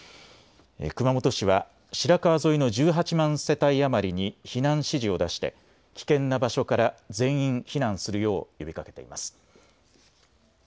熊本市は白川沿いの１８万世帯余りに避難指示を出して危険な場所から全員避難するよう呼びかけています。